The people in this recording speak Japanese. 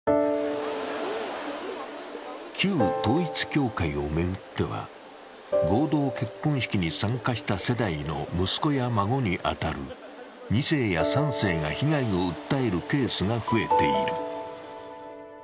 旧統一教会を巡っては、合同結婚式に参加した世代の息子や孫に当たる２世や３世が被害を訴えるケースが増えている。